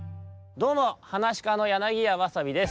どうも！はなしかの柳家わさびです。